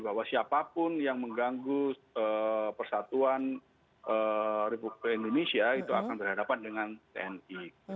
bahwa siapapun yang mengganggu persatuan republik indonesia itu akan berhadapan dengan tni